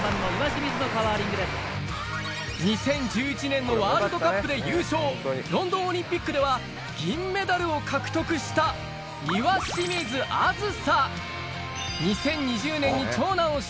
２０１１年のワールドカップで優勝ロンドンオリンピックでは銀メダルを獲得したシュート！